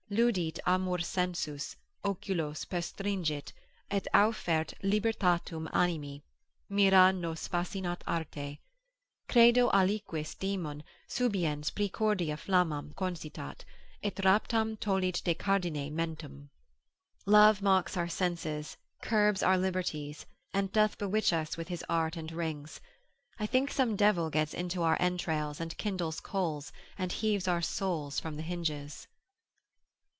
Ludit amor sensus, oculos perstringit, et aufert Libertatem animi, mira nos fascinat arte. Credo aliquis daemon subiens praecordia flammam Concitat, et raptam tollit de cardine mentem. Love mocks our senses, curbs our liberties, And doth bewitch us with his art and rings, I think some devil gets into our entrails, And kindles coals, and heaves our souls from th'hinges.